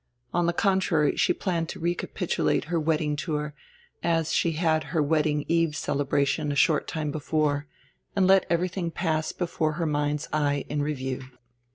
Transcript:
On tire contrary, she planned to recapitulate her wedding tour, as she had her wedding eve celebration a short time before, and let everything pass before her mind's eye in review.